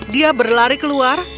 dia berlari keluar